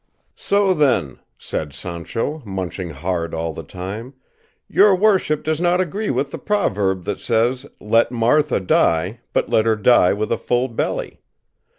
"So then," said Sancho, munching hard all the time, "your worship does not agree with the proverb that says, 'Let Martha die, but let her die with a full belly.